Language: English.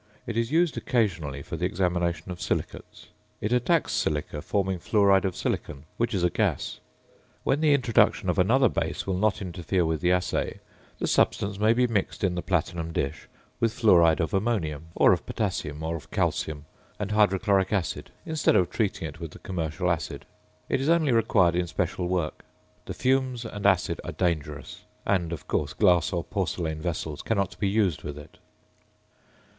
It is used occasionally for the examination of silicates. It attacks silica, forming fluoride of silicon, which is a gas. When the introduction of another base will not interfere with the assay, the substance may be mixed in the platinum dish with fluoride of ammonium, or of potassium, or of calcium, and hydrochloric acid, instead of treating it with the commercial acid. It is only required in special work. The fumes and acid are dangerous, and, of course, glass or porcelain vessels cannot be used with it.